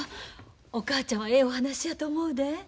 お母ちゃんはええお話やと思うで。